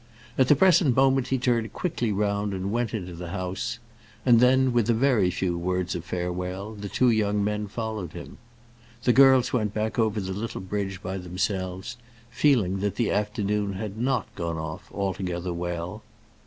At the present moment he turned quickly round and went into the house; and then, with a very few words of farewell, the two young men followed him. The girls went back over the little bridge by themselves, feeling that the afternoon had not gone off altogether well.